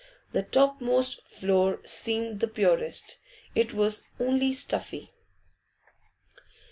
The topmost floor seemed the purest; it was only stuffy.